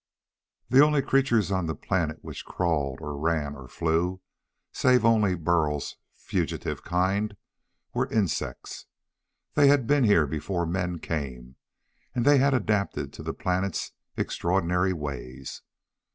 The only creatures on the planet which crawled or ran or flew save only Burl's fugitive kind were insects. They had been here before men came, and they had adapted to the planet's extraordinary ways.